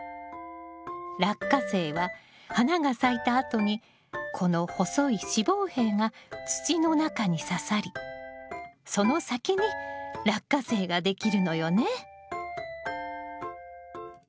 ラッカセイは花が咲いたあとにこの細い子房柄が土の中にささりその先にラッカセイができるのよね。